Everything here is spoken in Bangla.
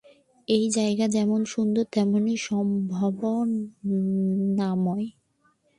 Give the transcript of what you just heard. এই জায়গাটা যেমন সুন্দর, - তেমন সম্ভাবনাময়।